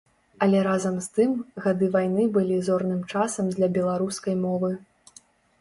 Але разам з тым гады вайны былі зорным часам для беларускай мовы.